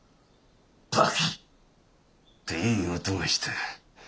バキッていい音がした。